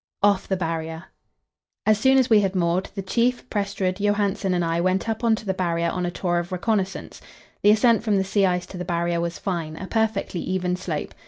Off the Barrier. As soon as we had moored, the Chief, Prestrud, Johansen and I went up on to the Barrier on a tour of reconnaissance. The ascent from the sea ice to the Barrier was fine, a perfectly even slope.